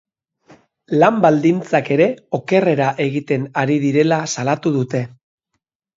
Lan baldintzak ere okerrera egiten ari direla salatu dute.